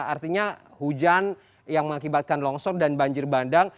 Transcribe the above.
artinya hujan yang mengakibatkan longsor dan banjir bandang